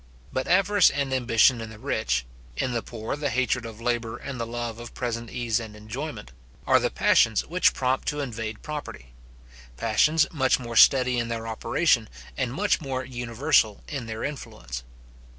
But avarice and ambition in the rich, in the poor the hatred of labour and the love of present ease and enjoyment, are the passions which prompt to invade property; passions much more steady in their operation, and much more universal in their influence.